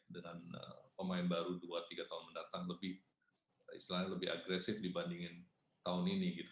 dengan pemain baru dua tiga tahun mendatang lebih istilahnya lebih agresif dibandingin tahun ini gitu